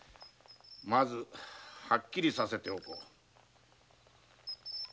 まずはっきりさせておこう。